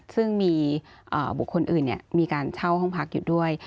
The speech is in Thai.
ซึ่งมีบุคคลอื่นมีการเช่าห้องพักอยู่ด้วย